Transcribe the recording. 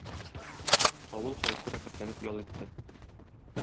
Авыл халкы рәхәтләнеп ял итте.